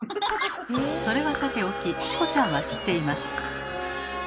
それはさておきチコちゃんは知っています。